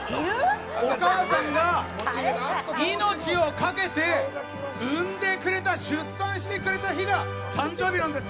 お母さんが命をかけて生んでくれた出産してくれた日が誕生日なんです。